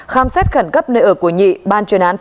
khám xét khẩn cấp nơi ở của nhị ban truyền án thu dương